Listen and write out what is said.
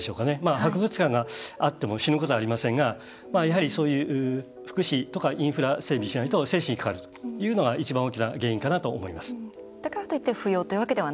博物館がなくても死ぬことはありませんがやはり、そういう福祉とかインフラ整備しないと生死に関わるというのが一番大きな原因かなと思います。